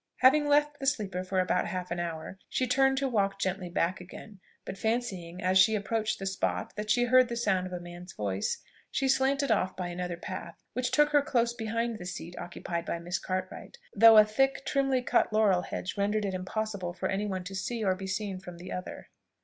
Having left the sleeper for about half an hour, she turned to walk gently back again; but fancying as she approached the spot that she heard the sound of a man's voice, she slanted off by another path, which took her close behind the seat occupied by Miss Cartwright, though a thick trimly cut laurel hedge rendered it impossible for any one to see or be seen from the other.